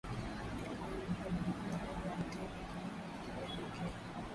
ngorongoro ilitengwa kama hifadhi ya pekee